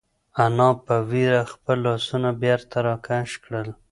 انا په وېره خپل لاسونه بېرته راکش کړل.